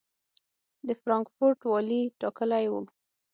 د فرانکفورټ والي ټاکلی و.